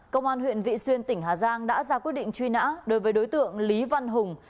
công an huyện vị xuyên tỉnh hà giang đã ra quyết định truy nã đối với đối tượng lý văn hùng